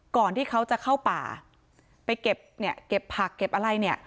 ก่อนที่เขาจะเข้าป่าไปเก็บเนี่ยเก็บผักเก็บอะไรเนี่ย